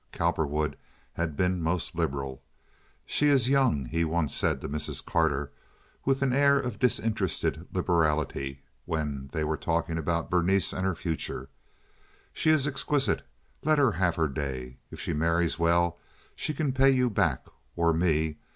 Cowperwood had been most liberal. "She is young," he once said to Mrs. Carter, with an air of disinterested liberality, when they were talking about Berenice and her future. "She is an exquisite. Let her have her day. If she marries well she can pay you back, or me.